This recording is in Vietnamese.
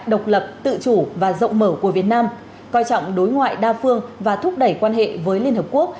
độc lập tự chủ và rộng mở của việt nam coi trọng đối ngoại đa phương và thúc đẩy quan hệ với liên hợp quốc